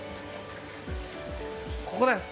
ここです。